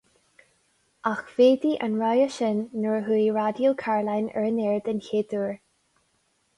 Ach mhéadaigh an rogha sin nuair a chuaigh Raidió Caroline ar an aer den chéad uair.